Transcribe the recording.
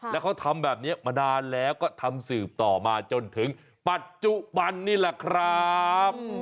แล้วเขาทำแบบนี้มานานแล้วก็ทำสืบต่อมาจนถึงปัจจุบันนี่แหละครับ